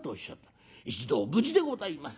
『一同無事でございます』